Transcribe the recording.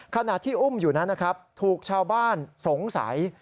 ขณะที่อุ้มอยู่นั้นนะครับถูกชาวบ้านสงสัย